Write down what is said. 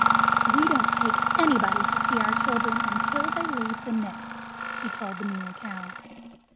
"We don't take anybody to see our children until they leave the nests," he told the Muley Cow.